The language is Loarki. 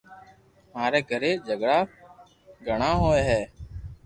ماري گھري جھگڙا گڻا ھوئي ھي